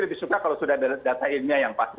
lebih suka kalau sudah ada data ilminya yang pasti